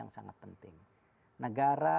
yang sangat penting negara